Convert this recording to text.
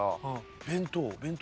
弁当。